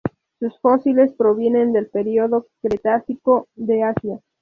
Sus fósiles provienen del período Cretácico de Asia.